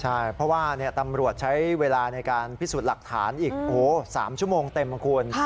ใช่เพราะว่าตำรวจใช้เวลาในการพิสูจน์หลักฐานอีก๓ชั่วโมงเต็มนะคุณ